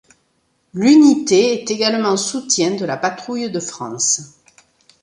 L’unité est également soutien de la Patrouille de France.